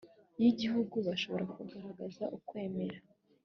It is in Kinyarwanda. y igihugu bashobora kugaragaza ukwemera